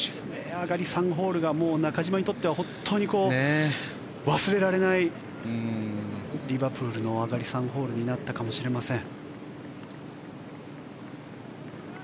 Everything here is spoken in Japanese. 上がり３ホールが中島にとっては本当に忘れられないリバプールの上がり３ホールになったかもしれません。